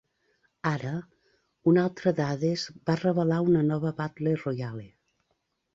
Ara, un altre d'Addes va revelar una nova Battle Royale.